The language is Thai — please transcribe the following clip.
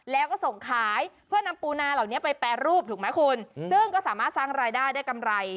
แล้วก็ส่งขายเพื่อนำปูนาเหล่านี้ไปแปรรูปถูกไหมคุณซึ่งก็สามารถสร้างรายได้ได้กำไร